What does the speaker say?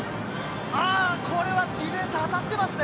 これはディフェンスに当たっていますね。